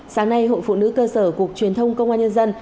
sáng nay hội phụ nữ cơ sở cục truyền thông công an nhân dân